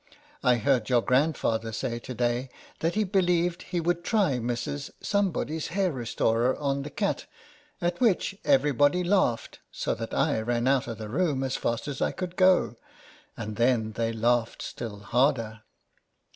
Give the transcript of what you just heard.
I heard your grandfather say to day, that he believed he would try Mrs. Some body's Hair Restorer on the cat, at which everybody laughed so that I ran out of the room as fast as I could go, and then they laughed still harder.